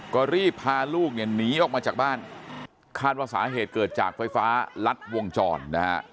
ก็รีบพาลูกเนี่ยหนีออกมาจากบ้านคาดว่าสาเหตุเกิดจากไฟฟ้ารัดวงจรนะฮะ